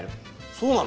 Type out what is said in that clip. そうなの？